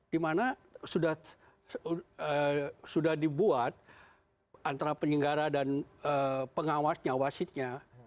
dimana sudah dibuat antara penyelenggara dan pengawasnya wasitnya